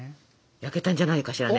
焼けたんじゃないかしらね。